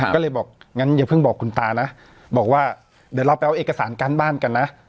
ก็เลยบอกงั้นอย่าเพิ่งบอกคุณตานะบอกว่าเดี๋ยวเราไปเอาเอกสารการบ้านกันนะ